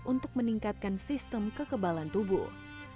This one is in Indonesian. untuk meningkatkan sistem kekebalan tubuh